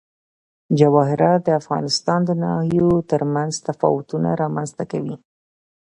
جواهرات د افغانستان د ناحیو ترمنځ تفاوتونه رامنځ ته کوي.